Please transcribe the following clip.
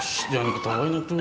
shh jangan ketawa nek tuh